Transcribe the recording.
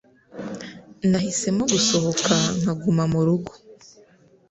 Nahisemo gusohoka nkaguma murugo.